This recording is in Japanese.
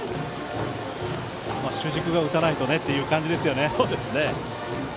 主軸が打たないとねという感じですよね。